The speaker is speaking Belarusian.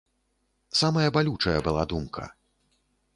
Самая балючая была думка.